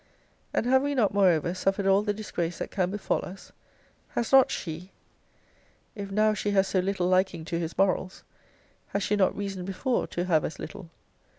And have we not moreover suffered all the disgrace that can befall us? Has not she? If now she has so little liking to his morals, has she not reason before to have as little?